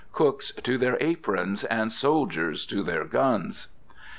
Cooks to their aprons, and soldiers to their guns!